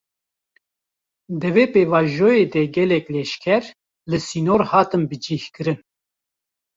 Di vê pêvajoyê de gelek leşker, li sînor hatin bicih kirin